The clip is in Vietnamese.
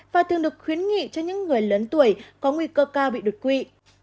và thường được khuyến nghị cho những người lớn tuổi có nguy cơ cao bị đột quỵ